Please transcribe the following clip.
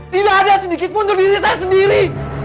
tidak ada sedikit pun untuk diri saya sendiri